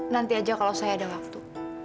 nanti aja kalau saya ada waktu